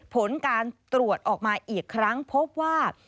ผลการตรวจออกมาอีกครั้งพบว่า